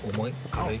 軽い？